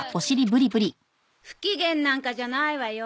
不機嫌なんかじゃないわよ。